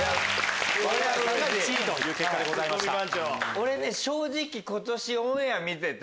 俺正直今年オンエア見てて。